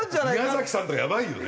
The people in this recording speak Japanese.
宮崎さんとかやばいよね？